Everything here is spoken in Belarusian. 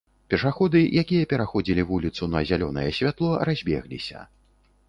Пешаходы, якія пераходзілі вуліцу на зялёнае святло, разбегліся.